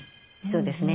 そうですね。